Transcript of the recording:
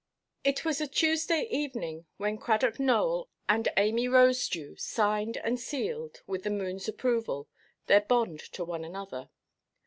It was a Tuesday evening when Cradock Nowell and Amy Rosedew signed and sealed, with the moonʼs approval, their bond to one another.